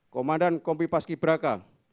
komandan kompi paski braka